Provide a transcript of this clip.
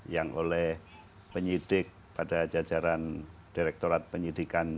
yang oleh penyidik pada jajaran direktorat penyidikan